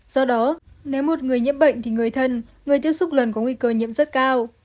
do đó nếu một người nhiễm bệnh thì người thân người tiếp xúc gần có nguy cơ nhiễm rất cao